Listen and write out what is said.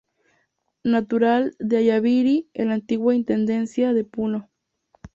Natural de Ayaviri, en la antigua Intendencia de Puno.